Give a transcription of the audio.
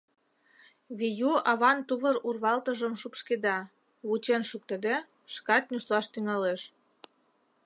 — Вею аван тувыр урвалтыжым шупшкеда, вучен шуктыде, шкат нюслаш тӱҥалеш.